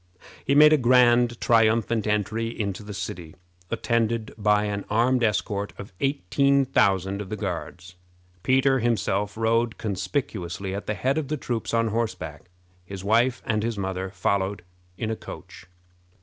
He made a grand triumphant entry into the city, attended by an armed escort of eighteen thousand of the Guards. Peter himself rode conspicuously at the head of the troops on horseback. His wife and his mother followed in a coach.